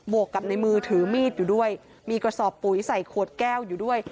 วกกับในมือถือมีดอยู่ด้วยมีกระสอบปุ๋ยใส่ขวดแก้วอยู่ด้วย